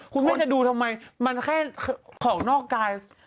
คุณแม่จะดูทำไมมันแค่ของนอกกาย